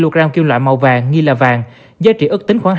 các chỉ thị của thành phố